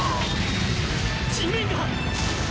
地面が！